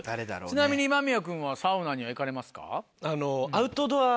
ちなみに間宮君はサウナには行かれますか？